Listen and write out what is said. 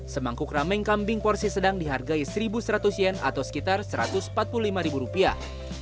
semangkuk rameng kambing porsi sedang dihargai satu seratus yen atau sekitar satu ratus empat puluh lima ribu rupiah